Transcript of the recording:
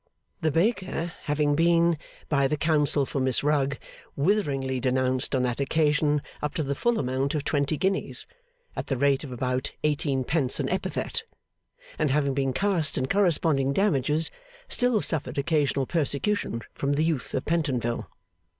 The baker having been, by the counsel for Miss Rugg, witheringly denounced on that occasion up to the full amount of twenty guineas, at the rate of about eighteen pence an epithet, and having been cast in corresponding damages, still suffered occasional persecution from the youth of Pentonville.